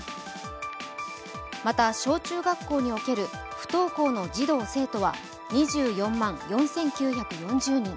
また、小中学校における不登校の児童・生徒は２４万４９４０人。